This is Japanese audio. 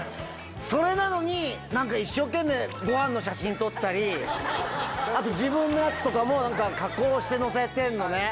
それなのに一生懸命ごはんの写真撮ったりあと自分のやつとかも加工して載せてんのね。